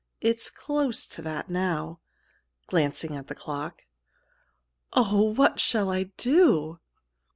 It's close to that now," glancing at the clock. "Oh, what shall I do?"